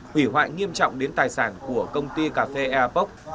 hủy hoại nghiêm trọng đến tài sản của công ty cà phê eapoc